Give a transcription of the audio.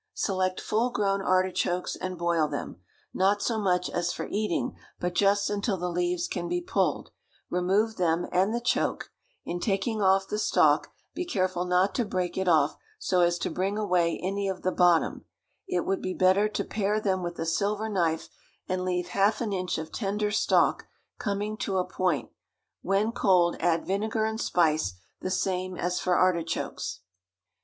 Select full grown artichokes and boil them; not so much as for eating, but just until the leaves can be pulled; remove them and the choke; in taking off the stalk, be careful not to break it off so as to bring away any of the bottom; it would be better to pare them with a silver knife, and leave half an inch of tender stalk coming to a point; when cold, add vinegar and spice, the same as for artichokes.